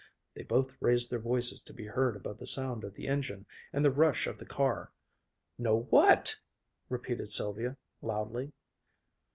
They both raised their voices to be heard above the sound of the engine and the rush of the car. "Know what?" repeated Sylvia loudly.